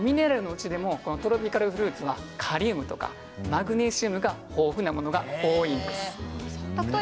トロピカルフルーツはカリウムとかマグネシウムが豊富なものが多いんです。